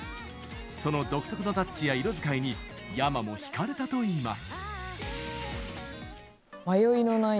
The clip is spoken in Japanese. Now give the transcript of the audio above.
その独特のタッチや色使いにｙａｍａも引かれたといいます。